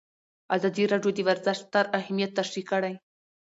ازادي راډیو د ورزش ستر اهميت تشریح کړی.